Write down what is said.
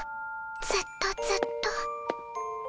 ずっとずっと。